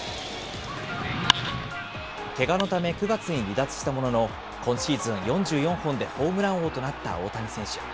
けがのため、９月に離脱したものの、今シーズン４４本でホームラン王となった大谷選手。